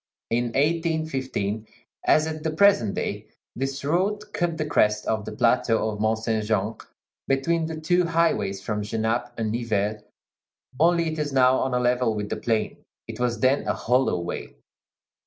In 1815, as at the present day, this road cut the crest of the plateau of Mont Saint Jean between the two highways from Genappe and Nivelles; only, it is now on a level with the plain; it was then a hollow way.